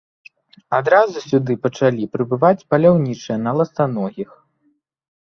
Адразу сюды пачалі прыбываць паляўнічыя на ластаногіх.